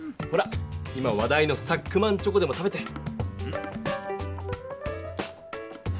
ほら今話題のサックマンチョコでも食べて。